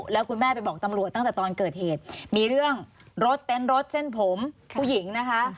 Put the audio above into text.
แล้วคุณแม่ไปบอกตำรวจตั้งแต่ตอนเกิดเหตุมีเรื่องรถเต้นรถเส้นผมผู้หญิงนะคะ